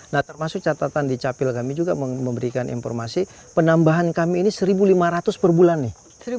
nah termasuk catatan di capil kami juga memberikan informasi penambahan kami ini satu lima ratus per bulan nih